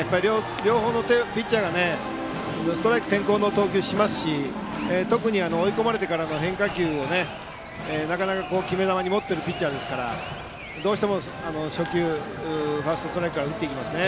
両方のピッチャーがストライク先行の投球をしますし特に追い込まれてからの変化球を決め球に持っているピッチャーですからどうしても初球ファーストストライクから打っていきますね。